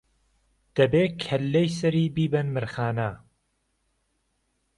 دهبێ کهللەی سەری بیبەن مرخانه